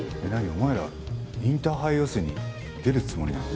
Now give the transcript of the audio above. お前らインターハイ予選に出るつもりなの？